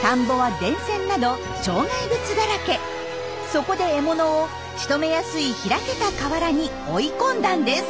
そこで獲物をしとめやすい開けた河原に追い込んだんです。